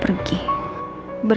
berarti ada keributan besar